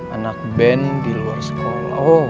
anak band di luar sekolah